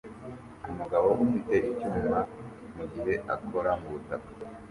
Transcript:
Umugabo afite icyuma mugihe akora mubutaka